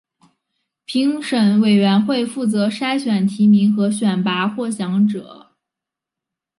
评审委员会负责筛选提名和选拔获奖者。